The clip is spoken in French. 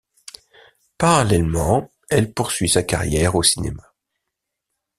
Parallèlement, elle poursuit sa carrière au cinéma.